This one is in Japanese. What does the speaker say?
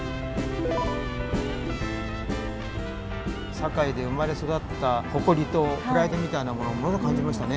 堺で生まれ育った誇りとプライドみたいなものをものすごく感じましたね。